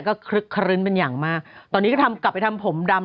ก็คลึกคลื้นเป็นอย่างมากตอนนี้ก็ทำกลับไปทำผมดำ